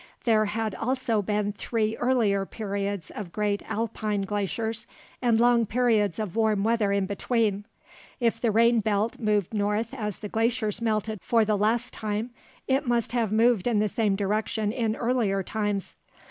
There had also been three earlier periods of great alpine glaciers, and long periods of warm weather in between. If the rain belt moved north as the glaciers melted for the last time, it must have moved in the same direction in earlier times.